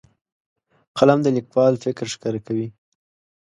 قلم د لیکوال فکر ښکاره کوي.